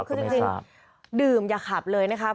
คือจริงดื่มอย่าขับเลยนะครับ